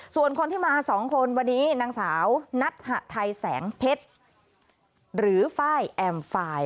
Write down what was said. ส่วนคนที่มาสองคนวันนี้นางสาวนัทหะไทยแสงเพชรหรือไฟล์แอมไฟล์